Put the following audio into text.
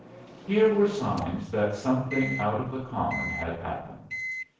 Here were signs that something out of the common had happened.